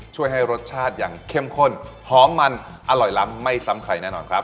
ช่วยให้รสชาติอย่างเข้มข้นหอมมันอร่อยล้ำไม่ซ้ำใครแน่นอนครับ